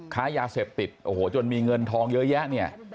ค้ายาเสพติดโอ้โหจนมีเงินทองเยอะแยะเนี่ย